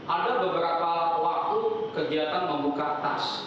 ada beberapa waktu kegiatan membuka tas